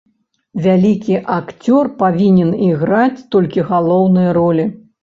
Вялікі акцёр павінен іграць толькі галоўныя ролі.